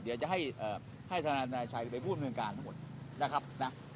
เดี๋ยวจะให้อ่าให้ท่านนายชัยไปพูดเมื่องการทั้งหมดนะครับนะ